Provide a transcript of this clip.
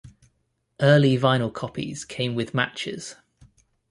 Early vinyl copies came with matches.